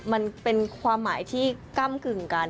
มันเป็นความหมายที่ก้ำกึ่งกัน